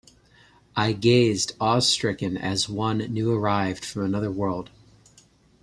I gazed awe-stricken as one new-arrived from another world.